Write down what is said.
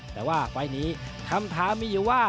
แต่ว่าไฟล์นี้คำถามมีอยู่ว่า